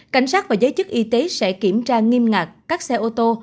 cảnh sát và giới chức y tế sẽ kiểm tra nghiêm ngặt các xe ô tô